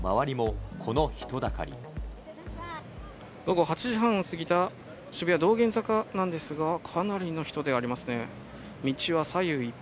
午後８時半を過ぎた渋谷・道玄坂なんですが、かなりの人出がありますね。